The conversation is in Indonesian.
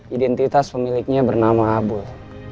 identitas pemiliknya bernama abul